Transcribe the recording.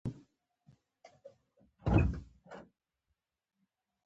سهار و ماښام شو